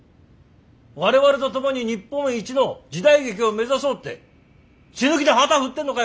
我々と共に日本一の時代劇を目指そうって死ぬ気で旗振ってんのかよ。